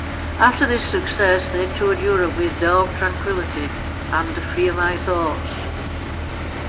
After this success they toured Europe with Dark Tranquillity and Fear My Thoughts.